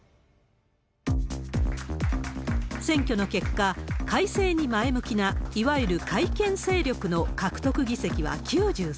選挙の結果、改正に前向きな、いわゆる改憲勢力の獲得議席は９３。